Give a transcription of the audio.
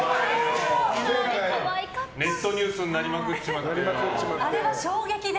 ネットニュースになりまくっちまってよ。